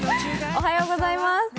おはようございます。